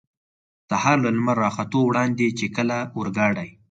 سهار له لمر را ختو وړاندې، چې کله اورګاډی.